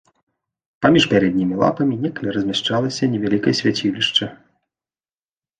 Паміж пярэднімі лапамі некалі размяшчалася невялікае свяцілішча.